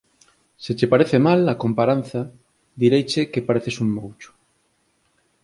Se che parece mal a comparanza, direiche que pareces un moucho